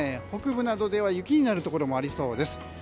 北部などでは雪になるところもありそうです。